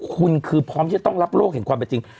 คุณคือพร้อมที่จะต้องรับโลกเห็นความเป็นจริง